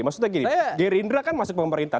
maksudnya gini gerindra kan masuk pemerintah